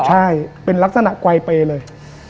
ใช่เป็นลักษณะไกลเปย์เลย